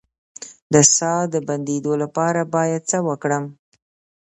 د ساه د بندیدو لپاره باید څه وکړم؟